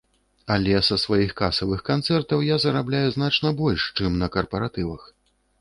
Але са сваіх касавых канцэртаў я зарабляю значна больш, чым на карпаратывах.